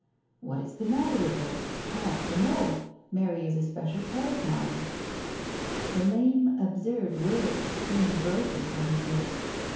" What is the matter with her ? I want to know. Mary is a special pet of mine." The lame, absurd words came broken from his lips.